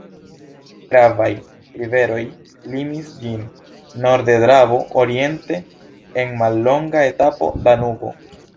Gravaj riveroj limis ĝin: norde Dravo, oriente en mallonga etapo Danubo.